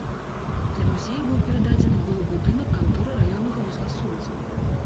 Для музея быў перададзены былы будынак канторы раённага вузла сувязі.